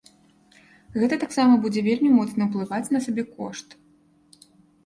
Гэта таксама будзе вельмі моцна ўплываць на сабекошт.